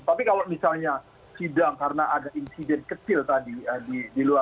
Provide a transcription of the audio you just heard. tapi kalau misalnya sidang karena ada insiden kecil tadi di luar